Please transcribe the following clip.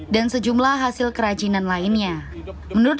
dan sejumlah hasil kerajinan lainnya menurut